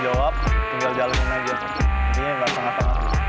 jawab tinggal jalanin aja